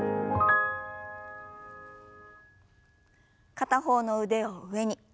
片方の腕を上に。